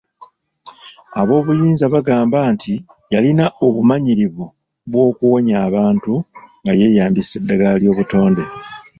Aboobuyinza bagamba nti yalina obumanyirivu bw'okuwonya abantu nga yeeyambisa eddagala ly'obutonde.